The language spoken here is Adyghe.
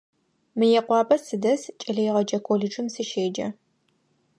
Мыекъуапэ сыдэс, кӏэлэегъэджэ колледжым сыщеджэ.